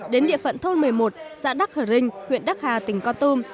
đến địa phận thôn một mươi một xã đắc hờ rinh huyện đắc hà tỉnh con tum